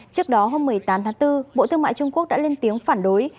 trước đó hôm một mươi tám tháng bốn bộ thương mại trung quốc đã lên tiếng phản đối